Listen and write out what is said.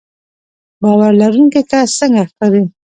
باور لرونکی کس څنګه ښکاري